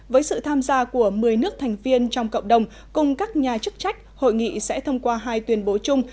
với sự tham gia của một mươi nước thành viên trong cộng đồng cùng các nhà chức trách hội nghị sẽ thông qua hai tuyên bố chung